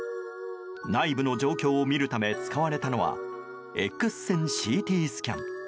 内部の状況を見るため使われたのはＸ線ＣＴスキャン。